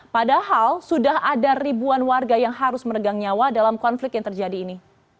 padahal sudah ada ribuan warga yang harus meregang nyawa dalam konflik yang terjadi ini